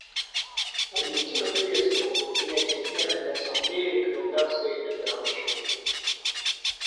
Аргентина приветствовала бы принятие Генеральной Ассамблеей рекомендаций этой Рабочей группы.